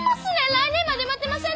来年まで待てませんねん！